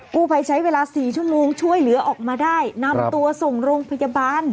กู้ภัยใช้เวลาสี่ชั่วโมงช่วยเหลือออกมาได้นำตัวส่งโรงพยาบาล